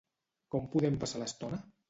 Com podem passar l'estona?